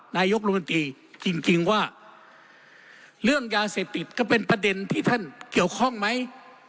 นายกรมนตรีจริงว่าเรื่องยาเสพติดก็เป็นประเด็นที่ท่านเกี่ยวข้องไหม